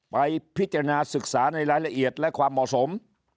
ไปพิจารณาศึกษาในรายละเอียดและความเหมาะสม